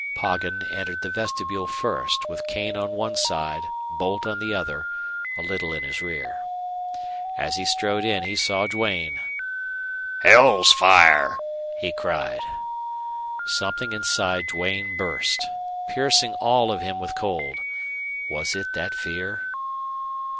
Poggin entered the vestibule first, with Kane on one side, Boldt on the other, a little in his rear. As he strode in he saw Duane. "HELL'S FIRE!" he cried. Something inside Duane burst, piercing all of him with cold. Was it that fear?